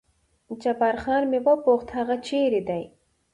جبار خان مې وپوښت هغه چېرې دی؟